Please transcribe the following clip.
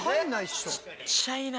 小っちゃいな。